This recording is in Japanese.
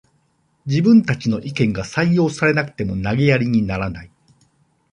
自分たちの意見が採用されなくても投げやりにならない